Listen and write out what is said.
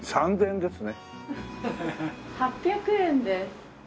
８００円です。